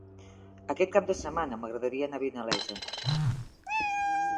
Aquest cap de setmana m'agradaria anar a Vinalesa.